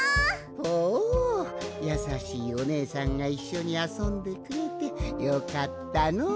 ほうやさしいおねえさんがいっしょにあそんでくれてよかったのう。